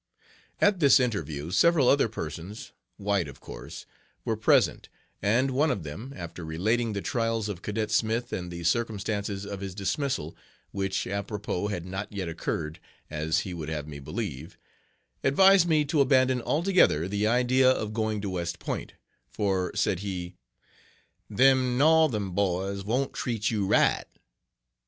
At this interview several other persons white, of course were present, and one of them after relating the trials of Cadet Smith and the circumstances of his dismissal, which, apropos, had not yet occurred, as he would have me believe advised me to abandon altogether the idea of going to West Point, for, said he, "Them northern boys wont treat you right."